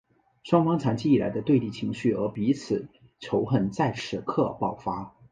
双方长期以来的对立情绪和彼此仇恨在此刻爆发。